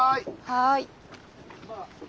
はい！